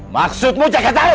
maksudmu cekat tahu